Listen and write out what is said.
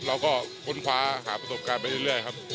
เราก็ค้นคว้าหาประสบการณ์ไปเรื่อยครับ